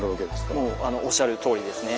もうおっしゃるとおりですね。